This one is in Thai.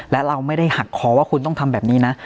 และเราไม่ได้หักคอว่าคุณต้องทำแบบนี้นะ